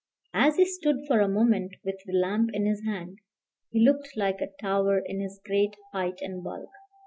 As he stood for a moment with the lamp in his hand, he looked like a tower in his great height and bulk.